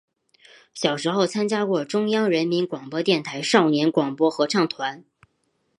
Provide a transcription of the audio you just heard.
小时候参加过中央人民广播电台少年广播合唱团。